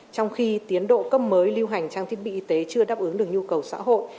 trong khi tiến độ cấp mới lưu hành trang thiết bị y tế chưa đáp ứng được nhu cầu xã hội